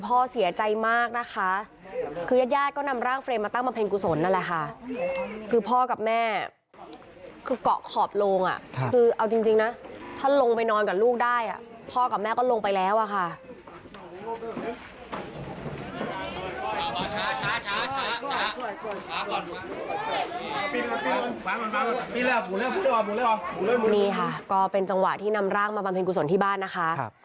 พ่อเสียใจมากนะคะคือยาดก็นำร่างเฟรมมาตั้งมาเพลงกุศลนั่นแหละค่ะ